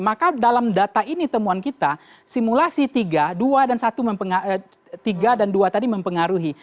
maka dalam data ini temuan kita simulasi tiga dua dan satu tiga dan dua tadi mempengaruhi